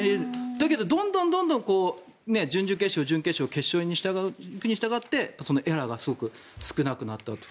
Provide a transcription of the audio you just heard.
だけど、どんどん準々決勝準決勝、決勝に行くにしたがってそのエラーがすごく少なくなったって。